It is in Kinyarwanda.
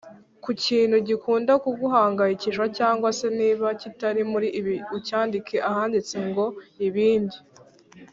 ku kintu gikunda kuguhangayikisha Cyangwa se niba kitari muri ibi ucyandike ahanditse ngo Ibindi